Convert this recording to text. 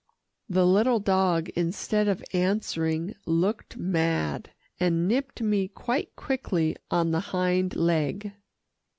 The little dog instead of answering, looked mad, and nipped me quite quickly on the hind leg.